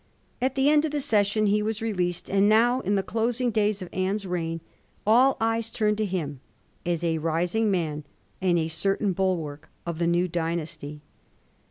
At the end of the session he was released, and now, in the closing days of Anne's reign, ^ eyes turned to him as a rising man and a certain bulwark of the new dynasty.